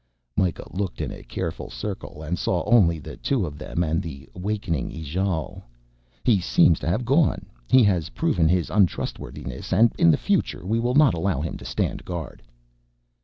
Mikah looked in a careful circle and saw only the two of them and the wakening Ijale. "He seems to have gone. He has proven his untrustworthiness and in the future we will not allow him to stand guard."